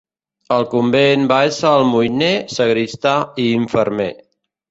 Al convent va ésser almoiner, sagristà i infermer.